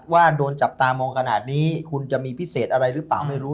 ว่าโดนจับตามองขนาดนี้คุณจะมีพิเศษอะไรหรือเปล่าไม่รู้